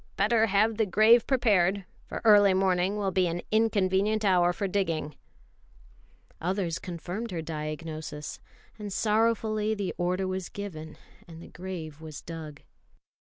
Better have the grave prepared, for early morning will be an inconvenient hour for digging." Others confirmed her diagnosis, and sorrowfully the order was given and the grave was dug.